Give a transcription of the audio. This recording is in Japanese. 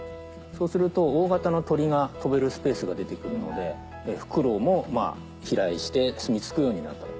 そうすると大形の鳥が飛べるスペースが出て来るのでフクロウも飛来してすみ着くようになると。